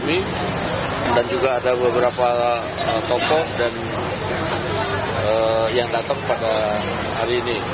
tadi sudah bersilaturahmi dan juga ada beberapa tokoh yang datang pada hari ini